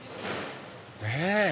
ねぇ。